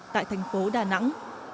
tại thành phố đà nẵng